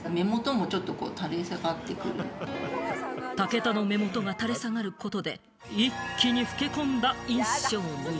武田の目元が垂れ下がることで一気に老け込んだ印象に。